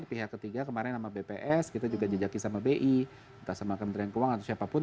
pihak ketiga kemarin sama bps kita juga jejaki sama bi entah sama kementerian keuangan atau siapapun